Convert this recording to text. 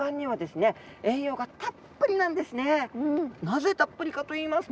このなぜたっぷりかと言いますと。